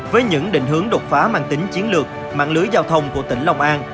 với những định hướng đột phá mang tính chiến lược mạng lưới giao thông của tỉnh long an